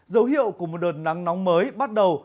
dấu hiệu của một đợt nắng nóng mới bắt đầu